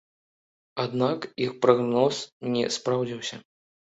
Аднак іх прагноз не спраўдзіўся.